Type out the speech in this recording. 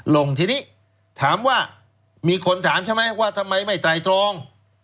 ลงทีนี้ถามว่ามีคนถามใช่ไหมว่าทำไมไม่ไตรตรอง